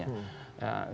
ya klober islam